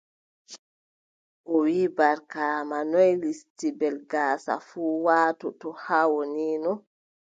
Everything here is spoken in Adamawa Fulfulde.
O wii, Barkaama, noy listibel gaasa fuu waatoto haa wonino?